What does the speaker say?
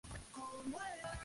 Subfamilias según Joel Hallan.